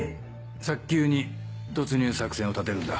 早急に突入作戦を立てるんだ。